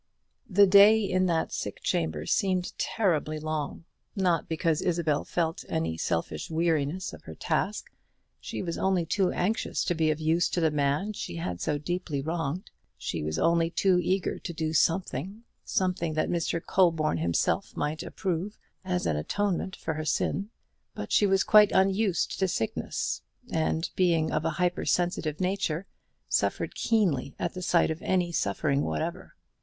The day in that sick chamber seemed terribly long. Not because Isabel felt any selfish weariness of her task; she was only too anxious to be of use to the man she had so deeply wronged; she was only too eager to do something, something that Mr. Colborne himself might approve, as an atonement for her sin. But she was quite unused to sickness; and, being of a hyper sensitive nature, suffered keenly at the sight of any suffering whatever.